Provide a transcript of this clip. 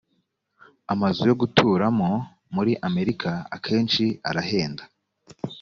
amazu yo guturamo muri amerika akenshi arahenda